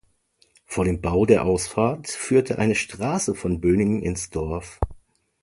Vor dem Bau der Ausfahrt führte eine Strasse von Bönigen ins Dorf.